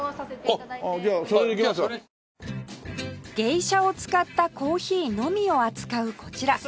ゲイシャを使ったコーヒーのみを扱うこちら